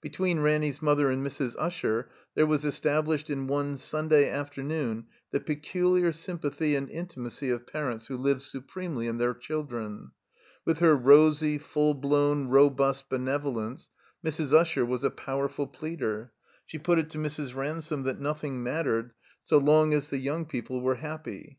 Between Ranny's mother and Mrs. Usher there was established in one Stmday afternoon the peculiar sympathy and intimacy of parents who live su premely in their children. With her rosy, full blown, robust benevolence, Mrs. Usher was a powerful pleader. She put it to Mrs. Ransome that nothing mattered so long as the yoimg people were happy.